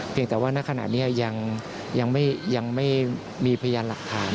แต่ว่าณขณะนี้ยังไม่มีพยานหลักฐาน